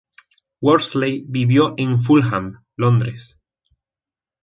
Worsley vivió en Fulham, Londres.